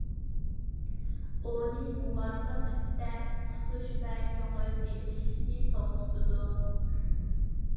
ئۇنى مۇۋاپىق ئىچسە قۇسۇش ۋە كۆڭۈل ئېلىشىشنى توختىتىدۇ.